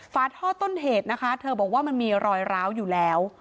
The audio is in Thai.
ฝาท่อต้นเหตุนะคะเธอบอกว่ามันมีรอยร้าวอยู่แล้ว